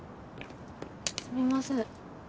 すみません。